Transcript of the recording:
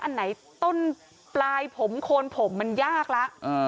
อันไหนต้นปลายผมโคนผมมันยากแล้ว